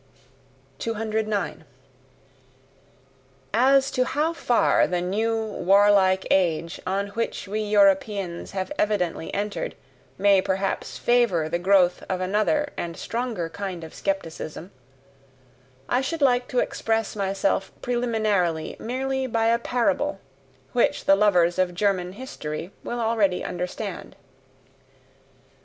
209. As to how far the new warlike age on which we Europeans have evidently entered may perhaps favour the growth of another and stronger kind of skepticism, I should like to express myself preliminarily merely by a parable, which the lovers of German history will already understand.